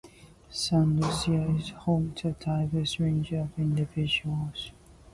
Saint Lucia is home to a diverse range of individuals.